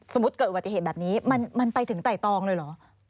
เกิดอุบัติเหตุแบบนี้มันไปถึงไต่ตองเลยเหรอ